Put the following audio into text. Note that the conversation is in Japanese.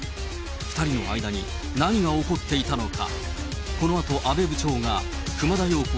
２人の間に何が起こっていたのか。